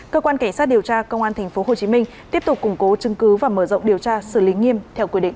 cơ quan cảnh sát điều tra công an tp hcm tiếp tục củng cố chứng cứ và mở rộng điều tra xử lý nghiêm theo quy định